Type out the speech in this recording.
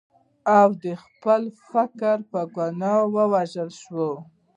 او د خپل فکر په ګناه ووژل شو.